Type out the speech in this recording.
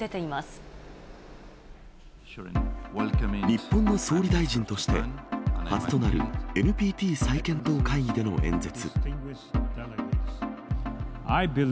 日本の総理大臣として初となるＮＰＴ再検討会議での演説。